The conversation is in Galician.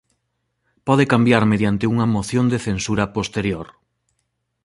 Pode cambiar mediante unha moción de censura posterior.